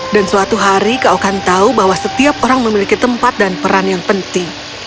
dan suatu hari kau akan tahu bahwa setiap orang memiliki tempat dan peran yang penting